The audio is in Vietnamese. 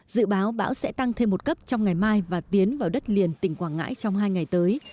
dự báo bão sẽ tăng thêm một cấp trong ngày mai và tiến vào đất liền tỉnh quảng ngãi trong hai ngày tới